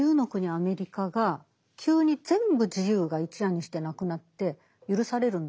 アメリカが急に全部自由が一夜にしてなくなって許されるんだろう。